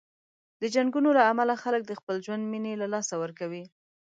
د جنګونو له امله خلک د خپل ژوند مینې له لاسه ورکوي.